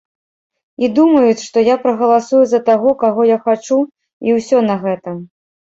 І думаюць, што я прагаласую за таго, каго я хачу, і ўсё на гэтым.